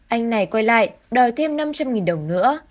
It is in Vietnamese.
anh này quay lại đòi thêm năm trăm linh đồng nữa